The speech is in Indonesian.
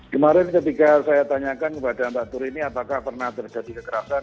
kemarin ketika saya tanyakan kepada mbak turini apakah pernah terjadi kekerasan